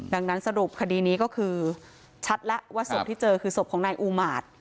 ดังนั้นสรุปคดีนี้ก็คือชัดแล้วว่าศพที่เจอคือศพของนายอูมาตร